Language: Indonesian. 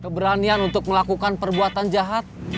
keberanian untuk melakukan perbuatan jahat